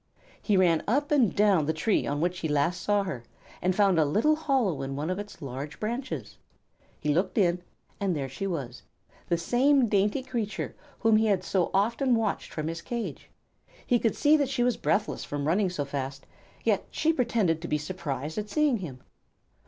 He ran up and down the tree on which he last saw her, and found a little hollow in one of its large branches. He looked in, and there she was, the same dainty creature whom he had so often watched from his cage. He could see that she was breathless from running so fast, yet she pretended to be surprised at seeing him.